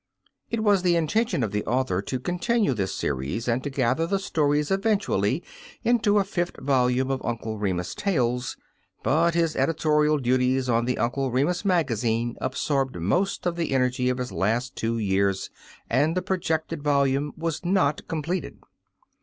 It was the intention of the author to continue this series and to gather the stories eventually into a fifth volume of Uncle Remus tales. But his editorial du ties on the Uncle Remus Magazine absorbed most of the energy of his last two years and the projected volume was not completed.